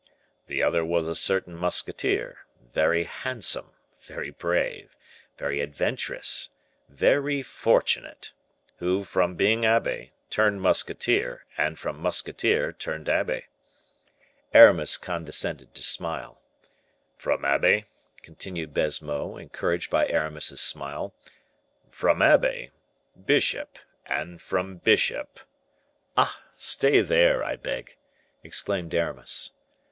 "The other was a certain musketeer, very handsome, very brave, very adventurous, very fortunate, who, from being abbe, turned musketeer, and from musketeer turned abbe." Aramis condescended to smile. "From abbe," continued Baisemeaux, encouraged by Aramis's smile "from abbe, bishop and from bishop " "Ah! stay there, I beg," exclaimed Aramis.